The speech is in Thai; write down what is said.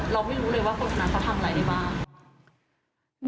เราไม่รู้เลยว่าโฆษณาเขาทำอะไรได้บ้าง